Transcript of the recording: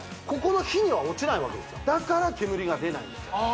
ここの火には落ちないわけですよだから煙が出ないんです